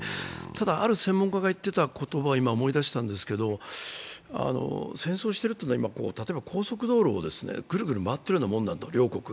ただ、ある専門家が言っていた言葉を今、思い出したんですけど戦争しているというのは高速道路をぐるぐる両国が回ってるようなもんだと。